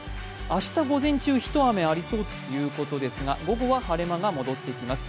明日午前中、一雨ありそうということですが午後は晴れが戻ってきます。